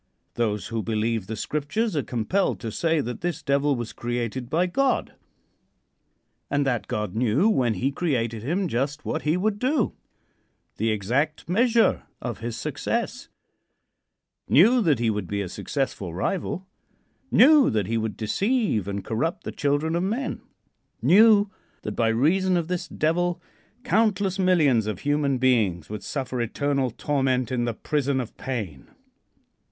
Those who believe the Scriptures are compelled to say that this Devil was created by God, and that God knew when he created him just what he would do the exact measure of his success; knew that he would be a successful rival; knew that he would deceive and corrupt the children of men; knew that, by reason of this Devil, countless millions of human beings would suffer eternal torment in the prison of pain.